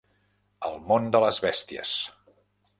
El món de les bèsties.